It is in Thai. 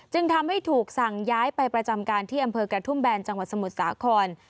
จึงทำให้ถูกสั่งย้ายไปประจำการที่อำเภอกระทุ่มแบนจังหวัดสมุทรสาคร